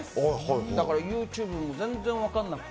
だからＹｏｕＴｕｂｅも全然わからなくて。